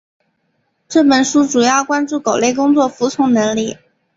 这本书主要关注狗类工作服从能力。